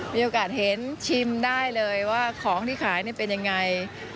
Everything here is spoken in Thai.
มีโอกาสเห็นชิมได้เลยว่าของที่ขายเป็นยังไง